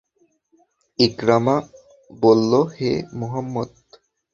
ইকরামা বলল, হে মুহাম্মদ!